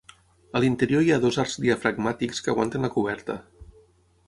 A l'interior hi ha dos arcs diafragmàtics que aguanten la coberta.